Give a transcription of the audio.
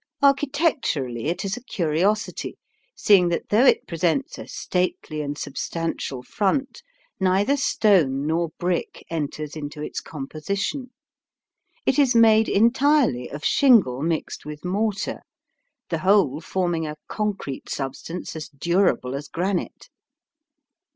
Architecturally it is a curiosity, seeing that though it presents a stately and substantial front neither stone nor brick enters into its composition. It is made entirely of shingle mixed with mortar, the whole forming a concrete substance as durable as granite.